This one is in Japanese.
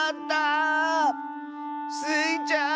スイちゃん！